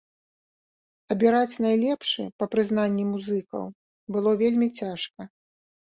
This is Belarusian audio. Абіраць найлепшы, па прызнанні музыкаў, было вельмі цяжка.